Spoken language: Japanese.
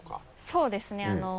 そうですね。